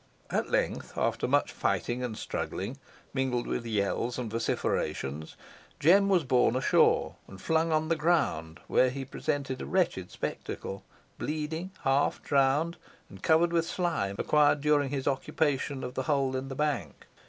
At length, after much fighting and struggling, mingled with yells and vociferations, Jem was borne ashore, and flung on the ground, where he presented a wretched spectacle; bleeding, half drowned, and covered with slime acquired during his occupation of the hole in the bank.